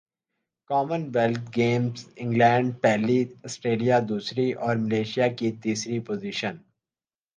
common wealth Games England پہلی Australia دوسری اور ملائشیا کی تیسری پوزیشن